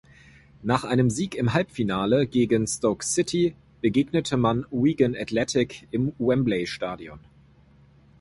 Nach einem Sieg im Halbfinale gegen Stoke City begegnete man Wigan Athletic im Wembley-Stadion.